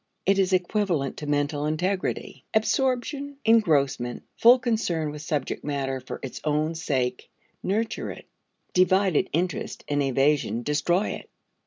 It is equivalent to mental integrity. Absorption, engrossment, full concern with subject matter for its own sake, nurture it. Divided interest and evasion destroy it.